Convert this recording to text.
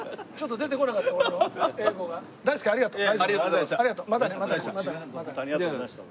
ホントありがとうございました。